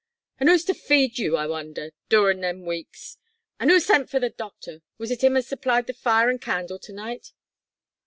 "An' who's to feed you, I wonder, doorin' them weeks? An' who sent for the doctor? Was it him as supplied the fire an' candle to night?"